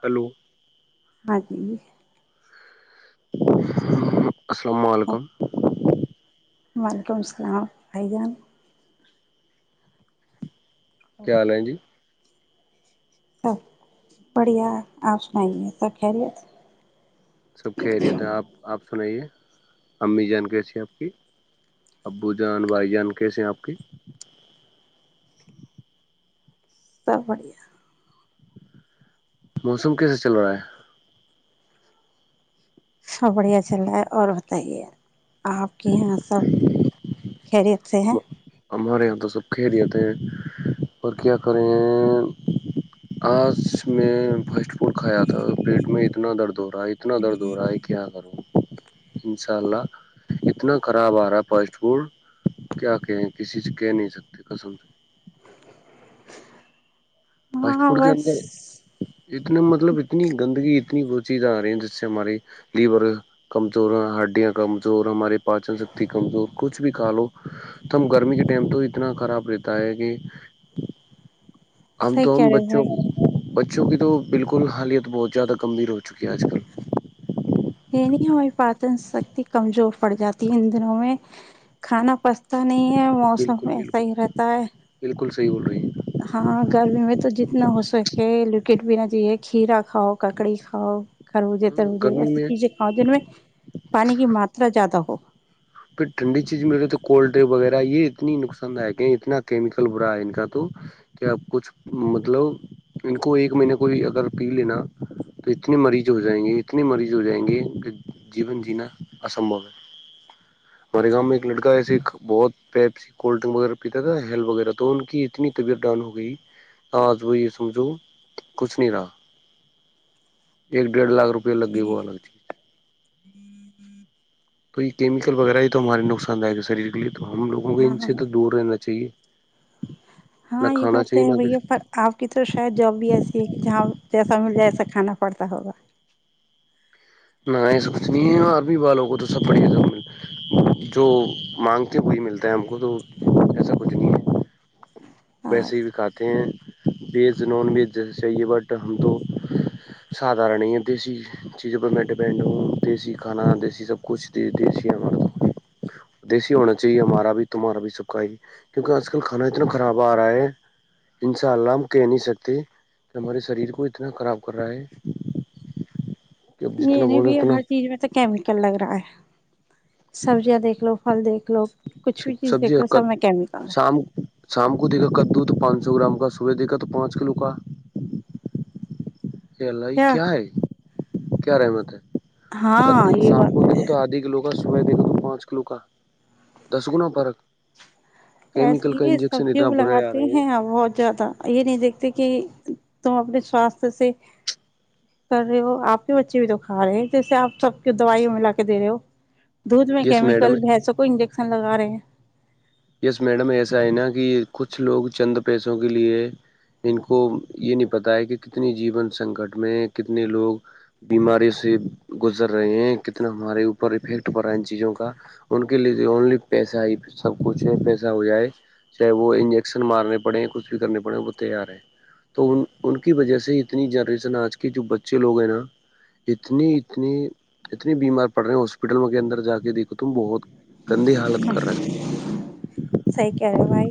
Hello ہاں جی [unintelligible] السلام علیکم وعلیکم لسلام بھائی جان کیا حل ہے جی سب بڑھیا آپ سنائیے سب خیریت سب خیریت ہے آپ آپ سنائیے امی جان کیسی ہیں آپ کی ابو جان بھائی جان کیسے ہیں آپ کی سب بڑھیا موسم کیسے چل رہا ہے سب بڑھیا چل رہا ہے اور بتائیے آپ کے یہاں سب خریت سے ہے ہمارے یہاں تو سب خیریت ہیں اور کیا کریں آج میں فسٹ فوڈ کھایا تھا پیٹ میں اتنا درد ہو رہا ہے اتنا درد ہو رہا ہے کیا کروں انشاء اللہ اتنا خراب آ رہا ہے فرسٹ فوڈ کیا کہے کسی سے کہہ نہیں سکتے کسم سے فاسٹ ہاں فوڈ کے بس اندر اتنے مطلب اتنی گندگی اتنی گسی جارہی ہیں جس سے ہماری لیور کمزور ہڈیاں کمزور ہمارے پانچوں ستی کمزور کچھ بھی کھا لو تم گرمی کے ٹائم تو اتنا خراب رہتا ہے کہ ہم صحیح تو کہہ ہم رہے بچوں بھائی کو بچوں کی تو بالکل حالیت بہت زیادہ گمبھییر ہو چکی ہے آج کل یہ نہیں ہماری پچن شکتی کمزور پڑ جاتی ہے ان دنوں میں کھانا پا پتا نہیں ہے موسم ایسا ہی رہتا ہے سی بول رہی ہے ہاں کٹ بھی نہ چاہیے کھیا کاؤ ککڑی کھاؤ خربوز ہاں تربوزے گرمی ایسی میں چیزیں کھاؤ جن میں پانی کی ماترا زیادہ ہو پھر ٹھنڈی چیز میں تو کولڈ ڈرنک وغیرہ یہ اتنی نقصان دایک اتنا کیمیکل بھرا ہے ان کا تو کہ آپ کچھ مطلب ان کو ایک مہین کوئی اگر پی لینا تو اتنے مریض ہو جائیں گے اتنے مریض ہو جائیں گے کہ جیون جینا اسم باؤ ہے ہمارے گاؤ میں ایک لڑکا ایسے بہت پیپ س کولڈ ڈرنک وغیرہ پیتا تھا ہیل وغیرہ تو ان کی اتنی طبیعت ڈاؤن ہو گئی آج وہ یہ سمجھو کچھ نہیں رہا ایک ڈیھ لاکھ روپے لگ گئی وہ الگ چیز تو یہ کیمیکل وغیرہ ہی تو ہمارے نقصان داک ہے شریر کے لیے تو ہم لوگوں کو ہاں ان ہاں سے تو دور رہنا چاہیے نہ ہاں یہ کھانا بات تو چاہیے ہے نہ بھیا کچھ پر آپ کی تو شاید جوب بھی ایسی ہے کہ جہاں جیسا مل جائے ایسا کھانا پڑتا ہوگا نہ نہ ایسا کچھ نہیں ہے ارمی والوں کو تو سب بڑھیا جو مانگتے ہیں وہی ملتا ہے ہم کو تو ایسا کچھ نہیں ہے ہاں ویسے ہی بھی کھاتے ہیں ویج نان ویج جا چاہیے بٹ ہم تو سادارن ہی ہے دیسی چیزوں پر میں ڈپینڈ ہوں دیسی کھانا دیسی سب کچھ دی ہمار دیسی ہونا چاہیے ہمارا بھی تمہارا بھی سب کاھ کیونکہ آج کل کھانا اتنا خراب ا رہا ہیں انشاء اللہ ہم کہہ نہیں سکتے ہمارے شریر کو اتنا خراب کر رہا ہے کہ اب جتنا یہ نہیں بولے بیہ اتنا ہر چیز میں تو کیمیکل لگ رہا ہے سبزیاں دیک لو پھل دیکھ لو کچھ بھی [unintelligible] چیز صبح دیکھ لو سب میں کیمیکل ہے دیکھو تو پانچ کلو کا کیا ہے کیا رہے ہیں ہاں گٹو یہ صاحب بات کو ہے تو ادھی کلو پانچ کلو کا دس گنا پر ایسی ہے اس سبزیوں لگاتے ہیں بہت زیادہ یہ نہیں دیکھتے کہ تو اپنے ساستے سے کر رہے ہو اپ بھی بچے بھی دکھا رہے ہیں جیسے اپ سب کی دوائی ملا کے دے رہے ہو دودھ میں یس میڈم کیمیکل بھینسوں کو انڈکس لگا رہے ہیں اس میڈ میں کی کچھ لوگ چند پیسوں کے لیے ان کو یہ نہیں پتہ ہے کہ کتنی جیون سنکٹ میں کتنے لوگ بیماری سے گزر رہے ہیں کتنا ہمارے اوپر ان چیزوں کا ان کے لیے اونلی پیسہ ائی مجھے پیسہ ہو جائے چاہے وہ انجیکشن مارنے پڑے ہیں کچھ بھی کرنے پڑے وہ تیار ہیں تو ان کی وجہ سے اتنی جنریشن اج کی جو بچے لوگ ہیں نا اتنی اتنی بیمار پڑ رہے ہیں ہاسپٹلوں کے اندر جا کے دیکھو تم بہت گندے حالت کر رہے تھے صحیح کہہ رہے ہو بھائی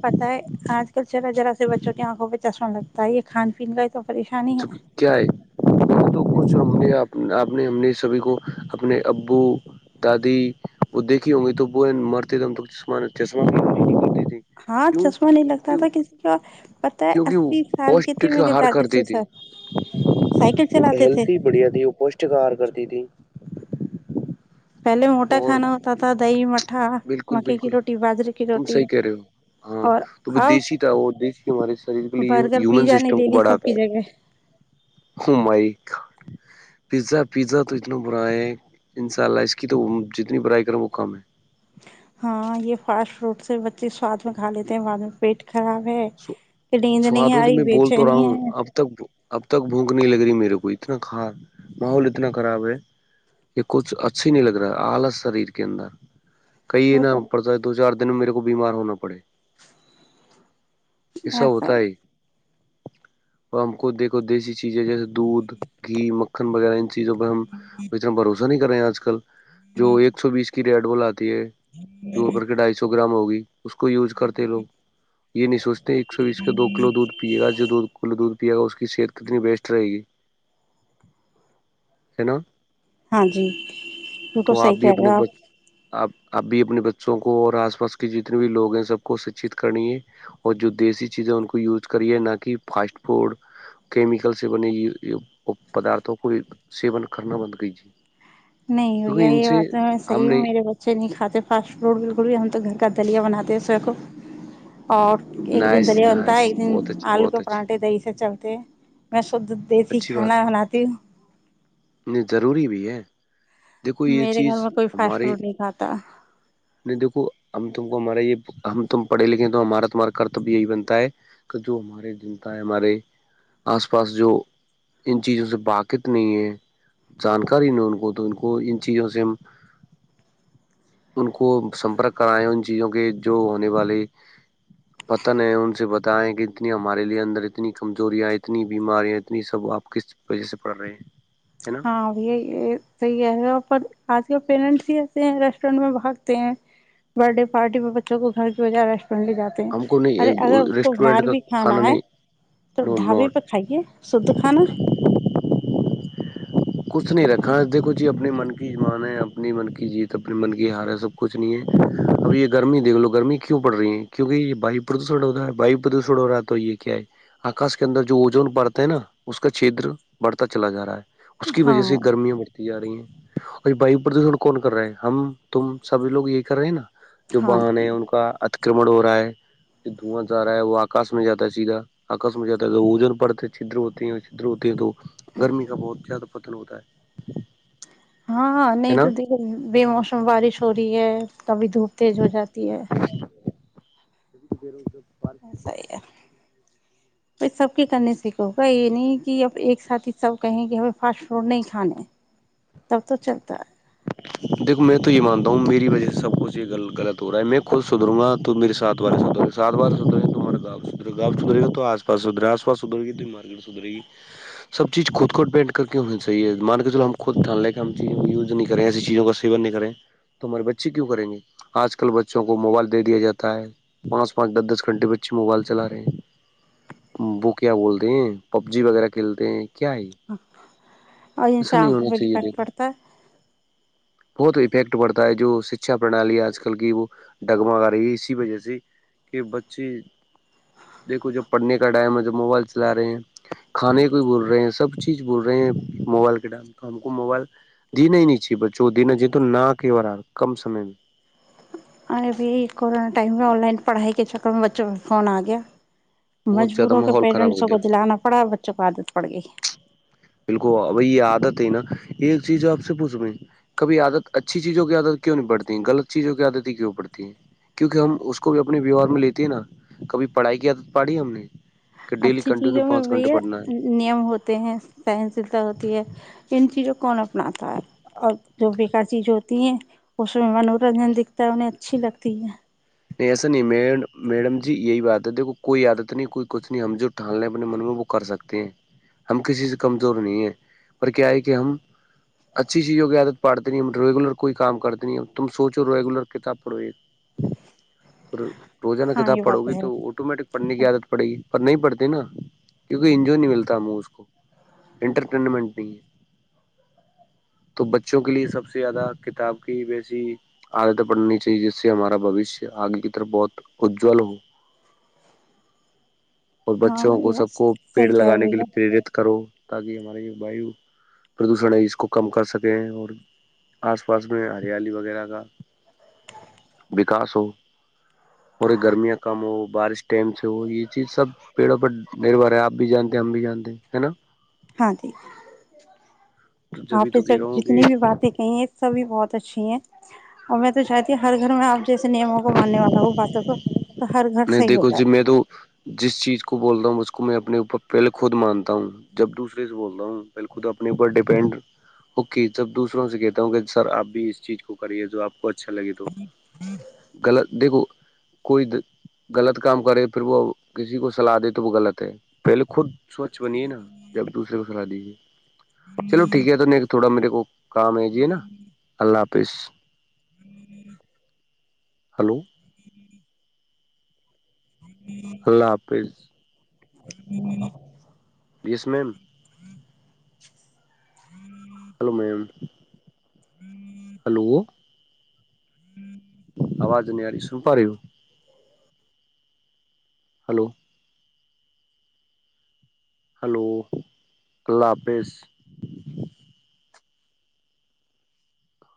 پتہ ہے اج کل چلو ذرا سے بچوں کی انکھوں پہ چسن لگتا ہے یہ کھان پین کا ہی تو پریشانی ہے کیا ہے تو کچھ ہم نے اب اپ نے انیس سوے کو اپنے ابو دادی وہ دیکھی ہو گئی تو ب مرتے دم تک جسمانی ہاں چشمہ نہیں لگتا تھا کسی کا پتہ ہے کیونکہ وہ اسی سال کی گوشت تھی کا میرے ہار کر دادی دی تھی سسر سائیکل چلاتے تھے ہلتی بڑھیا تھی وہ پشت کار کرتی تھی پہلے موٹا اور کھانا ہوتا تھا دہی مٹھا بالکل مکے کی بالکل روٹی باجرے کی تم روٹی صحیح کہہ رہے ہو ہاں اور تمہیں اب دیسی تھا وہ دیسی ہمارے سائز کے لیے برگر ہیومن پیزا نے سسٹم لے کو لی سب بڑھاتا کی جگہ ہے ویزا تو اتنا برا ہے انشاءاللہ اس کی تو جتنی برائی کرو وہ کم ہے ہاں یہ فاش روٹ سے بچے ساتھ میں کھا لیتے ہیں بعد میں پیٹ ہے نیند سواد نہیں میں ا تو رہی میں بے بول تو رہا چینی ہوں ہے اب تک اب تک بھوک نہیں لگ رہی میرے کو اتنا کھار ماحول اتنا خراب ہے کہ کچھ اچھی نہیں لگ رہا ال سریر کے اندر کئیے وہ نا تو اوپر سے دو چار دن میرے وہ بیمار ہونا پڑے ایسا ہوتا ہے تو ہم کو دیکھو دیسی چیز ہے جیسے دودھ کی مکھن وغیرہ ان چیزوں پر ہم وترم بروز کریں اج کل جو ایکسنیس کی گیٹ والا تو کر کے ڈھائی سو گرام ہو گئی اس کو یوز کرتے رہو سوچتے ہیں ایک سو بیس کے دو کلو دودھ پیے گا جو دو کلو دودھ پیا کی صحت کتنی بیسٹ رہے گی ہے نا ہاں جی بالکل صحی کہہ رہا آپ اب بھی اپنے بچوں کو اور آس پاس کے جتنے بھی لوگ ہیں سب کو شکچت کرنی ہے اور جو دیسی چیزیں ان کو یوز کریے نہ کہ فاسٹ فوڈ کیمیکل سے بنے پدارتوں کو سیون کرنا بند کریے نہیں ہو یہ یہ بات تو میں صحی ہوں نہیں میرے بچے نہیں کھاتے فاسٹ فوڈ بالکل بھی ہم تو گھر کا دلیا بناتے ہیں سب کو اور ایک دن نائس دریا بنتا ہے نائس ایک دن بہت اچھی آلو کے بہت اچھی پراٹھے دہی سب چلتے ہیں بس دیتی کھانا بناتی ہوں نہیں ضروری بھی ہے دیکھو یہ میرے گھر چیز میں کوئی فیشٹ ہمارے فروٹ نہیں کھاتا نہیں دیکھو ہم ت کو ہمارے یہ ہم تم پڑھے لکھے ہیں تو ہمارا تمہارا کرتبیہ یہی بنتا ہے کہ جو ہمارے جنتا ہے ہمارے آس پاس جو ان چیزوں سے باقت نہیں ہے جانکاری نہیں ان کو تو ان کو ان چیزوں سے ہم ان کو سمپرک کرائیں ان چیزوں کے جو ہونے والے پتن ہیں ان سے بتائے کہ اتنی ہمارے لیے اندر اتنی کمزوریاں اتنی بیماریاں اتنی سب آپ کس وجہ سے پڑ رہے ہیں ہے نا ہاں بیا یہ تو ہی ہےا پر آج ک پییرنٹس ہی آستے ہیں ریسٹورینٹ میں بھاگتے ہیں برھ ڈے پارٹی میں بچوں کو گھر کی بجائے پ لے جاتے ہیں ہم کو ارے اگر اس نہیں کو ریسٹورینٹ باہر کا بھی کھانا آئے نہیں تو نو نو ڈھابے پہ کھائیے شھ کھانا کچھ نہیں رکھا اس کوھ اپنی من کی مان ہے اپنی من کی جیت اپنی من کی ہار ہے سب کچھ نہیں ہے اب یہ گرمی دیکھ لو گرمی کیوں پڑ رہی ہے کیوںکہ یہ وایو پردوشن ہو رہا ہے واو پردوشن ہو رہا ہے تو یہ کیا ہے آکاش کے اندر جو وجون بڑتا ہے نا اس کا چھیدر بڑھتا چلا جا رہا ہے اس کی ہاں وجہ سے گرمیاں بڑتی جا رہی ہیں اور وایو پردوشن کون کر رہا ہے ہم تم سبھی لوگ یہ کر رہے ہیں نا جو ہاں باہن ہے جی ان کا اچ اکرمن ہو رہا ہے جو دھواں جا رہا ہے وہ آکاش میں جاتا ہے سیدھا آکش میں جاتا ہے وجن پڑتا چھدر ہوتے ہیں چدر ہوتے ہیں تو گرمی کا بہت زیادہ بدلوود ہے ہاں ہے نہیں نا تو دیک بےموسم بارش ہو رہی ہے کبھی دھوپ تیز ہو جاتی ہے ج وغیر اییسا ب سب کے کرنے سے کہوگا یہ نہیں کہ اب ایک ساتھ ہی سب کہیں کہ ہمیں فاسٹ فوڈ نہیں کھانے تب تو چلتا ہے دیکو میں تو یہ مانتا ہوں میری وجہ سے سب کچ یہ غلط ہوا ہے میں خدھروں گا تو مے سات بار سدھرے سات بار سدرے تو ہمارا گا سدھرا گاؤ سدھے گا تو آس پاس سدھرے ہے آس پاسدھر گی تو مارکیٹ سدھے گی سب چیز خود خود پینٹ کر کے چاہیے مارکیٹ چ ہم خےیز یں ایسی چیزوں کا سیون نہیں کریں تو ہمارے بچے کیوں کریں گے آج کل بچوں کو موبائل دے دیا جاتا ہے پانچ پانچ دس دس گھنٹے بچے موبائل چلا رہے ہیں وہ کیا بولتے ہیں پب جی وغیرہ کھیلتے ہیں کیا ہی اور انسان آنکھوں پ ڈفیکٹ پڑتا ہے بہت افیکٹ پڑتا ہے جو شکھا پرنالی آج کل کی وہ ڈگمگ رہی ہے اسی وجہ سے کہ بچے دیکھو جب پڑھنے کا ٹائم ہے جب موبائل چلا رہے ہیں کھانے کو بول رہے ہیں سب چیز بول رہے ہیں موبائل کے ٹائم تو ہم کو موبائل د نہیں ی ب چود نہ جی تو نہ کی ہو رہاار کم سمے میں اے ابھی کورونا ٹائم میں آن لائن پڑھائی کے چکر میں بچوں کا فون آ گیا بہت زیادہ مجبوروں کے ماحول خراب ہو پیرنٹسوں گیا کو دلانا پڑا بچوں کو آادت پڑ گئی بالکل بھائی یہ عادت ہے نا یہ چیز آپ سے پوچھ میں کبھی عادت اچھی چیزوں کی عادت کیوں نہیں پڑتی ہے غلط چیزوں کی عادت ہی کیوں پڑتی ہے کیونکہ ہم اس کو بھی اپنے ویوہار میں لیتے ہیں نا کبھی پڑھائی کی عادت پڑی ہم نے کہ ڈیلی اچھی کنٹینیو چیزوں میں پانچ گھنٹے بھیا پڑھنا ہے نیم ہوتے ہیں تحنسلتا ہوتی ہے ان چیزوں کون اپناتا ہے اور جو بیکار چیز ہوتی ہیں اس میں منورنجن دکھتا ہے انہیں اچھی لگتی ہے نہیں ایسا نہیں میڈم جی یہی بات ہے دیکھ کوئی عادت نہیں کوئی کچھ نہیں ہم جو ٹھالنے اپنے من میں وہ کر سکتے ہیں ہم کسی سے کمزور نہیں ہے پر کیا ہے کہ ہم اچھی چیزوں کی عادت پڑتے نہیں ہم ریگولر کوئی کام کرتے نہیں تم سوچو ریگولر کتاب پڑھو یہ پھر روزنہ ہاں کتاب یہ پڑھو بات گی ہے تو آٹومیٹک پھنے کی عادت پڑے گی نہیں پڑھتے نا کیونکہ انجو نہیں ملتا مہ اس کو انٹرٹینمنٹ نہیں ہے تو بچوں کے لیے سب سے زیادہ کتاب کی ویسی عادتیں پڑھنی چاہیے جس سے ہمارا بوشیہ آگے کی طرف بہت اجل ہو اور ہاں بچوں کو یہ بات سب کو پیڑ صحیح کہہ رہے لگانے کے بھیا لیے پرییرت کرو تاکہ ہمارے جو وایو پردوشن ہے اس کو کم کر سکیں اور آس پاس میں ہریالی وغیرہ کا وکاس ہو اور یہ گرمیاں کم ہو بارش ٹائم سے ہو یہ چیز سب پیڑوں پر نربھر ہے آپ بھی جانتے ہم بھی جانتے ہے نا ہاں ٹھیک ہے جبھی آپ نے تو سب کہہ رہا ہوں کہ جتنی بھی باتیں کہ ہیں سبھی بہت اچھی ہیں اور میں تو چاہتی ہوں ہر گھر میں آپ جس نیموں کو ماننے والا ہو باتوں کو تو ہر گھر نہیں صحیح ہو دیکھو جی جائے میں تو جس چیز کو بولتا ہوں مجھ کو کو میں اپنے اوپر پہلے خود مانتا ہوں جب دوسرے سے بولتا ہوں پہلے خود اپنے اوپر ڈیپینڈ ہوک جب دوسروں سے کہتا ہوں کہ سر آپ بھی اس چیز کو کریے جو آپ کو اچا اچھا لگے تو غلط دیکھو قئید غلط کام کرے پھر وہ کسی کو سلاح دے تو وہ غلط ہے پہلے خود سوچھ بنیے نا جب دوسرے کو سلاح دیجیے چلو ٹھیک ہے تو نہیں تھوڑا میرے کو کام ہے ج نا اللہ حافظ ہلو اللہ حافظ yes ma'am hello ma'am hello آواز نہیںیاری سوپاری ہو ہلو ہلو اللہ حافظ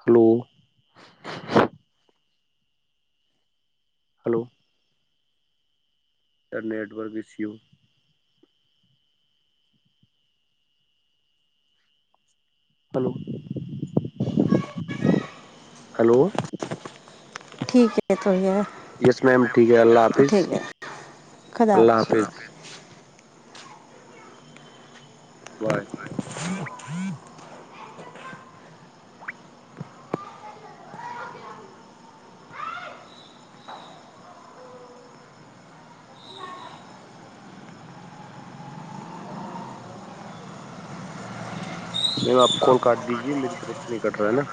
ہلو ہلو ٹ network issue hello hello ٹھیک ہے تو ہے یس میم ٹھیک ہے اللہ حافظ ٹھیک خدا اللہ بھیا۔ حافظ بائے میم آپ کال کاٹ دیجیے میری طرف سے نہیں کٹ رہا ہے نا